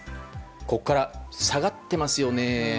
ここから下がってますよね。